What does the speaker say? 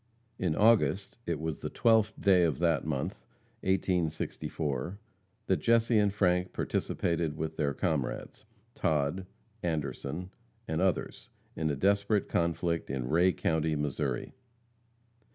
] In August it was the 12th day of that month, 1864, that Jesse and Frank participated with their comrades, Todd, Anderson and others, in a desperate conflict in Ray county, Missouri.